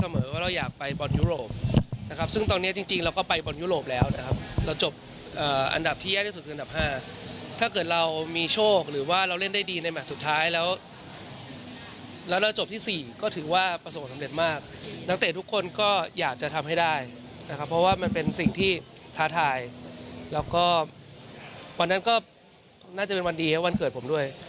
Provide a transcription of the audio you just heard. ไม่ได้นะครับเพราะว่ามันเป็นสิ่งที่ท้าทายแล้วก็วันนั้นก็น่าจะเป็นวันดีให้วันเกิดผมด้วย